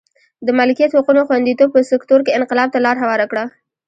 د مالکیت حقونو خوندیتوب په سکتور کې انقلاب ته لار هواره کړه.